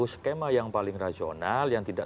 skema yang paling rasional yang tidak